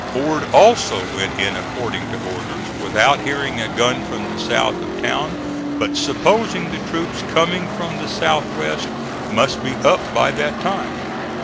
Ord also went in according to orders, without hearing a gun from the south of town but supposing the troops coming from the south west must be up by that time.